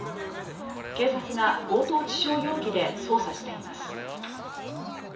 警察が強盗致傷容疑で捜査しています。